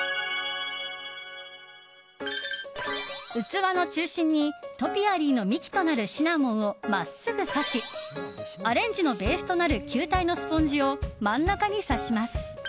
器の中心にトピアリーの幹となるシナモンを真っすぐ挿しアレンジのベースとなる球体のスポンジを真ん中に挿します。